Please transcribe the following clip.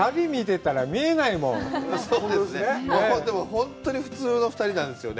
本当に普通の２人なんですよね。